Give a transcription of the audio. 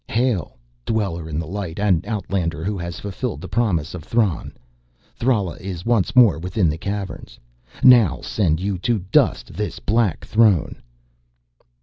"Hail! Dweller in the Light, and Outlander who has fulfilled the promise of Thran. Thrala is once more within the Caverns. Now send you to dust this black throne...."